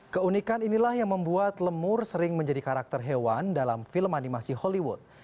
keunikan inilah yang membuat lemur sering menjadi karakter hewan dalam film animasi hollywood